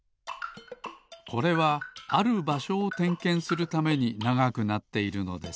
これはあるばしょをてんけんするためにながくなっているのです。